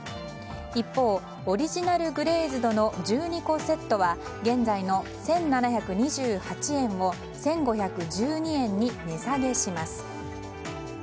一方、オリジナル・グレーズドの１２個セットは現在の１７２８円を１５１２円に値下げします。